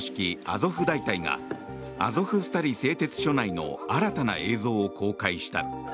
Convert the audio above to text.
アゾフ大隊がアゾフスタリ製鉄所内の新たな映像を公開した。